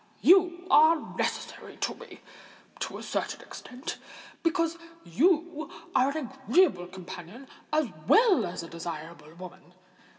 You are necessary to me, to a certain extent—because you are an agreeable companion as well as a desirable woman.